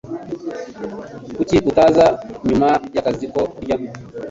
Kuki utaza nyuma yakazi ko kurya?